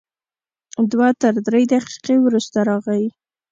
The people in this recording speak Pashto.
دوه تر درې دقیقې وروسته راغی.